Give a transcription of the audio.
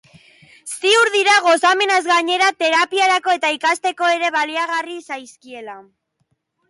Ziur dira gozamenaz gainera, terapiarako eta ikasteko ere baliagarri zaizkiela.